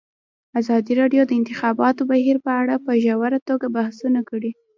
ازادي راډیو د د انتخاباتو بهیر په اړه په ژوره توګه بحثونه کړي.